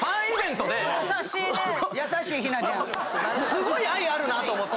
すごい愛あるなと思って。